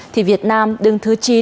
thì việt nam đứng thứ chín